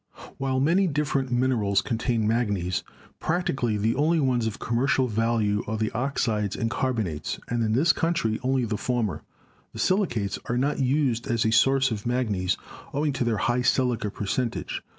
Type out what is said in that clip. While many different minerals contain manganese, practically the only ones of commercial value are the oxides and carbonates, and in this country only the former. MINING AND METALLURGY 285 The silicates are not used as a source of manganese, ow ing to their high silica percentage.